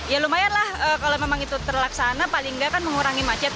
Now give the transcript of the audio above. ya lumayan lah kalau memang itu terlaksana paling nggak kan mengurangi macet